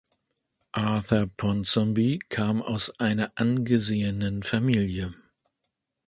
Arthur Ponsonby kam aus einer angesehenen Familie.